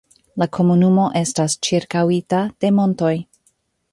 La komunumo estas ĉirkaŭita de montoj.